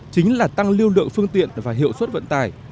chính là tăng lưu lượng phương tiện và hiệu suất vận tải